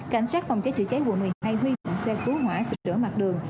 cảnh sát phòng chế chữa cháy quận một mươi hai huy hưởng xe cứu hỏa sửa mặt đường